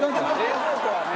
冷蔵庫はね。